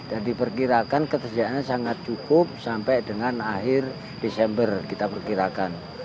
dan diperkirakan ketersediaannya sangat cukup sampai dengan akhir desember kita perkirakan